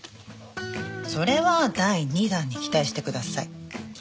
それは第二弾に期待してください。